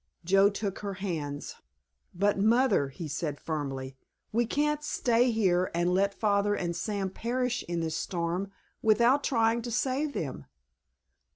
Joe took her hands. "But, Mother," he said firmly, "we can't stay here and let Father and Sam perish in this storm without trying to save them!